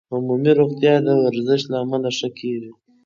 عمومي روغتیا د ورزش له امله ښه کېږي.